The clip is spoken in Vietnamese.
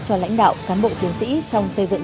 cho lãnh đạo cán bộ chiến sĩ trong xây dựng